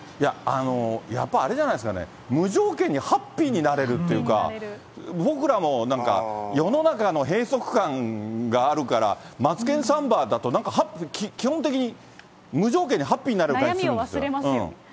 やっぱりあれじゃないですかね、無条件にハッピーになれるっていうか、僕らもなんか、世の中の閉塞感があるから、マツケンサンバだと、なんかハッピー、基本的に無条件でハッピーになれる感じがするんですよ。